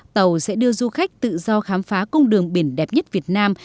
tàu sẽ đưa du khách tự do khám phá cung đường biển đẹp nhất việt nam